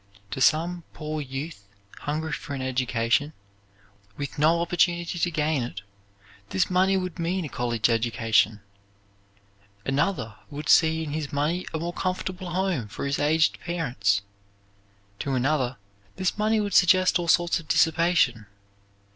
To some poor youth hungry for an education, with no opportunity to gain it, this money would mean a college education. Another would see in his money a more comfortable home for his aged parents. To another this money would suggest all sorts of dissipation.